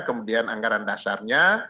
kemudian anggaran dasarnya